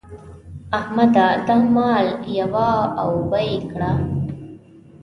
احمده! دا مال یوه او اوبه يې کړه.